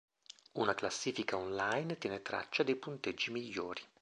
Una classifica online tiene traccia dei punteggi migliori.